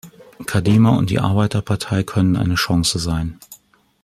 Kadima und die Arbeiterpartei können eine Chance sein.